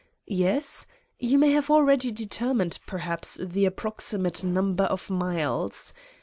Yes ? You may have already determined, perhaps, the approximate number of miles.